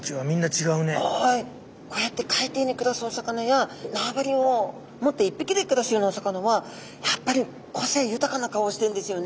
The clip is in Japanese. こうやって海底に暮らすお魚や縄張りを持って１匹で暮らすようなお魚はやっぱり個性豊かな顔してんですよね。